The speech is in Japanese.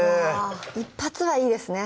一発はいいですね